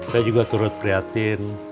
saya juga turut prihatin